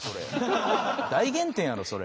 大減点やろそれ。